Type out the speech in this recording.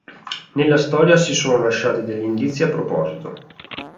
Nella storia si sono lasciati degli indizi a proposito.